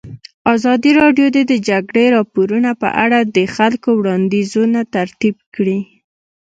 ازادي راډیو د د جګړې راپورونه په اړه د خلکو وړاندیزونه ترتیب کړي.